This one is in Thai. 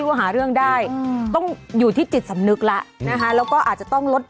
ว่าหาเรื่องได้ต้องอยู่ที่จิตสำนึกแล้วนะคะแล้วก็อาจจะต้องลด